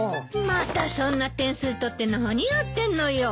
またそんな点数取って何やってんのよ。